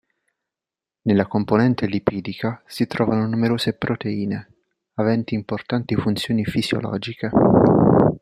Nella componente lipidica si trovano numerose proteine, aventi importanti funzioni fisiologiche.